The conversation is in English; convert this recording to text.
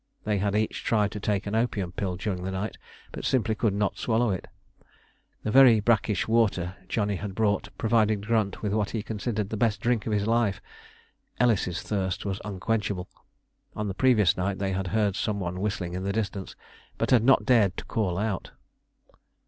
They had each tried to take an opium pill during the night, but simply could not swallow it. The very brackish water Johnny had brought provided Grunt with what he considered the best drink of his life. Ellis's thirst was unquenchable. On the previous night they had heard some one whistling in the distance, but had not dared to call out.